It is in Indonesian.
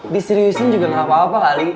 diseriusin juga gak apa apa kali